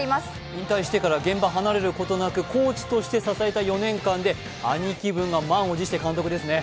引退してから現場を離れることなくコーチとして支えた４年間で兄貴分が満を持してですね